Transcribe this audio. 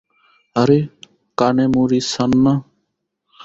আরে, কানেমোরি-সান না?